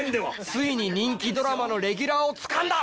ついに人気ドラマのレギュラーをつかんだ！